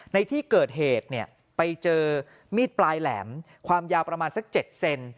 ในที่เกิดเหตุไปเจอมีดปลายแหลมความยาวประมาณสัก๗เซน